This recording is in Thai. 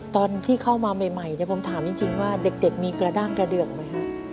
ตอนที่เข้ามาใหม่ผมถามจริงว่าเด็กมีกระด้างกระเดือกไหมฮะ